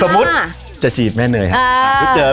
มุติจะจีบแม่เนยครับ